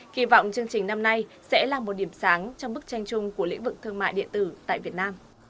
kỳ vọng chương trình năm nay sẽ là một điểm sáng trong bức tranh chung của lĩnh vực thương mại điện tử tại việt nam